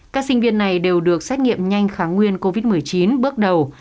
các sinh viên này đều được xét nghiệm nhanh kháng nguyên covid một mươi chín bước đầu